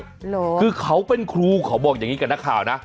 เหรอคือเขาเป็นครูเขาบอกอย่างนี้กับนักข่าวนะ